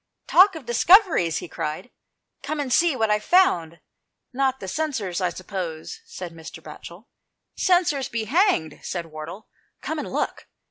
"Talk of discoveries," he cried, "come and see what I've found." "Not the censers, I suppose," said Mr. Batchel. " Censers be hanged," said Wardle, " come and look."